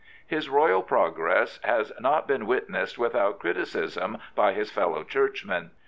His royal progress has not been witnessed without criticism by his fellow Churchmen.